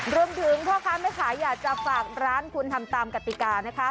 รวมถึงเพราะค้าไม่ขายอยากจะฝากร้านคุณทำตามกติกานะคะ